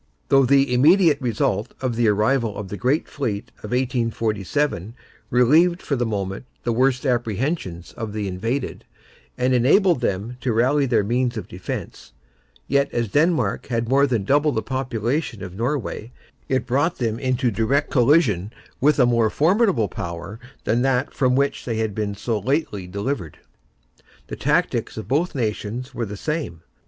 Though the immediate result of the arrival of the great fleet of 847 relieved for the moment the worst apprehensions of the invaded, and enabled them to rally their means of defence, yet as Denmark had more than double the population of Norway, it brought them into direct collision with a more formidable power than that from which they had been so lately delivered. The tactics of both nations were the same.